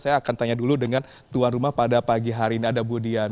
saya akan tanya dulu dengan tuan rumah pada pagi hari ini ada bu dian